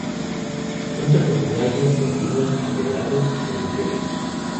Cuenta con murallas, caminos empedrados y cementerios.